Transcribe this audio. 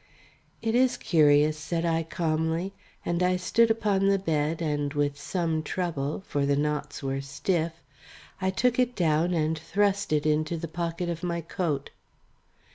"It is curious," said I calmly, and I stood upon the bed and with some trouble, for the knots were stiff, I took it down and thrust it into the pocket of my coat.